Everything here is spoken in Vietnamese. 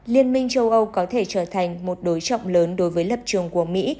liên minh châu âu có thể trở thành một đối trọng lớn đối với lập trường của mỹ